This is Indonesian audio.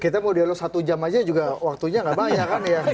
kita mau dialog satu jam aja juga waktunya gak banyak